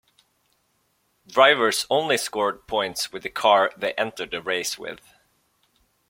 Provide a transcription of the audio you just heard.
Drivers only scored points with the car they entered the race with.